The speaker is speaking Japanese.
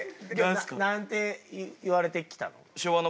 なんて言われて来たの？